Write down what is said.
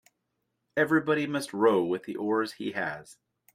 Everybody must row with the oars he has.